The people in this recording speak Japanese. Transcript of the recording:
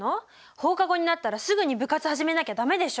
放課後になったらすぐに部活始めなきゃ駄目でしょ！